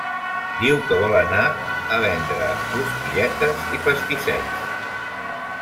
Diu que vol anar a vendre rosquilletes i pastissets.